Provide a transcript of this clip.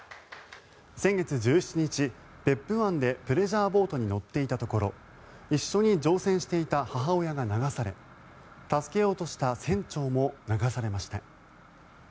先月１７日、別府湾でプレジャーボートに乗っていたところ一緒に乗船していた母親が流され助けようとした船長も流されました。